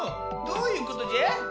どういうことじゃ？